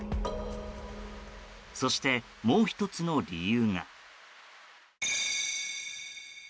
そして、もう１つの理由が。